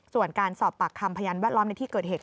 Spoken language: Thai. ส่วนการสอบปากคำพยานแวดล้อมในที่เกิดเหตุ